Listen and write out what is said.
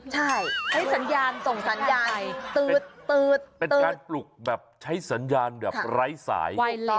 ใช่ใช้สัญญาณส่งสัญญาณตืดเป็นการปลุกแบบใช้สัญญาณแบบไร้สาย